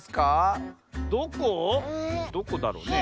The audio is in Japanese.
どこだろうね？